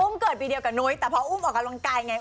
เกิดปีเดียวกับนุ้ยแต่พออุ้มออกกำลังกายไง